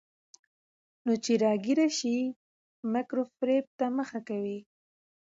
نو چې راګېره شي، مکر وفرېب ته مخه کوي.